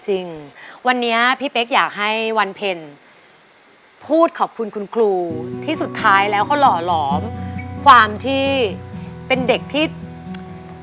จริงวันนี้พี่เป๊กอยากให้วันเพ็ญพูดขอบคุณคุณครูที่สุดท้ายแล้วเขาหล่อหลอมความที่เป็นเด็กที่